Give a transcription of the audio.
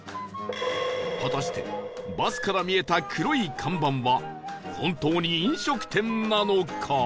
果たしてバスから見えた黒い看板は本当に飲食店なのか？